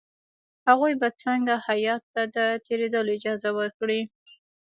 هغوی به څنګه هیات ته د تېرېدلو اجازه ورکړي.